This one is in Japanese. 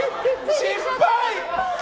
失敗！